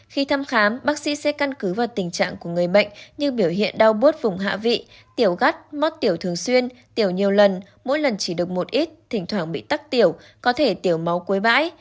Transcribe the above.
khi thăm khám bác sĩ sẽ căn cứ vào tình trạng của người bệnh như biểu hiện đau bốt vùng hạ vị tiểu ngắt mót tiểu thường xuyên tiểu nhiều lần mỗi lần chỉ được một ít thỉnh thoảng bị tắc tiểu có thể tiểu máu cuối bãi